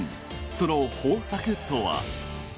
その方策とは。